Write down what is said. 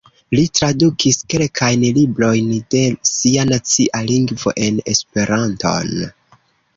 Li tradukis kelkajn librojn de sia nacia lingvo en Esperanton.